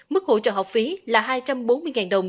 mức hỗ trợ học phí là hai trăm bốn mươi đồng